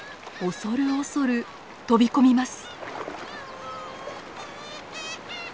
恐る恐る飛び込みます。